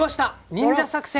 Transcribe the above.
「忍者作戦！」。